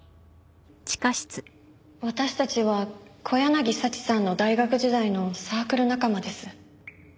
私たちは小柳早智さんの大学時代のサークル仲間です。